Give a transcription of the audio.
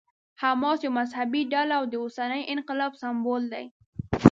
حماس یوه مذهبي ډله او د اوسني انقلاب سمبول دی.